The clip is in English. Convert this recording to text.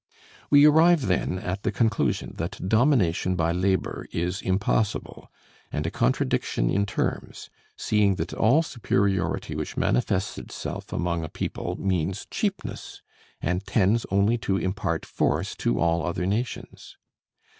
We arrive, then, at the conclusion that domination by labor is impossible, and a contradiction in terms, seeing that all superiority which manifests itself among a people means cheapness, and tends only to impart force to all other nations.